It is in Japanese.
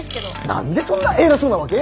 何でそんな偉そうなわけ？